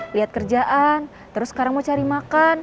lihat kerjaan terus sekarang mau cari makan